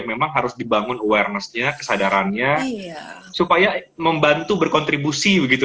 memang harus dibangun awarenessnya kesadarannya supaya membantu berkontribusi begitu